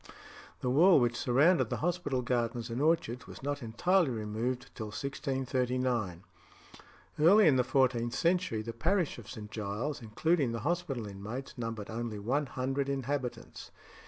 The wall which surrounded the hospital gardens and orchards was not entirely removed till 1639. Early in the fourteenth century the parish of St. Giles, including the hospital inmates, numbered only one hundred inhabitants.